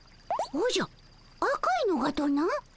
おじゃ赤いのがとな？